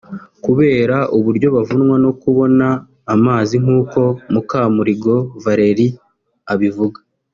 kubera uburyo bavunwa no kubona amazi nk’uko Mukamurigo Vallerie abivuga